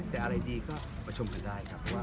แต่อะไรดีก็ประชุมกันได้ครับ